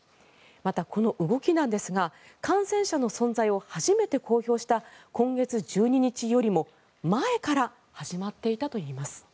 また、この動きなんですが感染者の存在を初めて公表した今月１２日よりも前から始まっていたといいます。